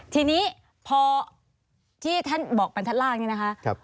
ทีนี้พอที่ท่านบอกบรรทัดล่างเนี่ยนะคะ